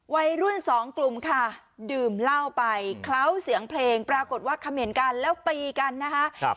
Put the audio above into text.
วัยรุ่นสองกลุ่มค่ะดื่มเหล้าไปเคล้าเสียงเพลงปรากฏว่าคำเห็นกันแล้วตีกันนะคะ